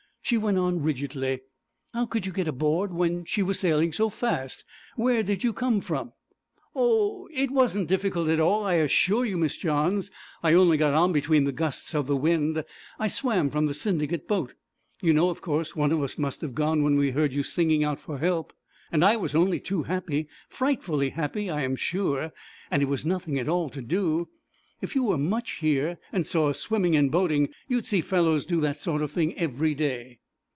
She went on rigidly, 'How could you get aboard when she was sailing so fast? Where did you come from?' 'Oh! it wasn't difficult at all, I assure you, Miss Johns; I only got on between the gusts of the wind. I swam from the Syndicate boat. You know, of course, one of us must have gone when we heard you singing out for help, and I was only too happy, frightfully happy, I am sure and it was nothing at all to do. If you were much here, and saw us swimming and boating, you'd see fellows do that sort of thing every day.'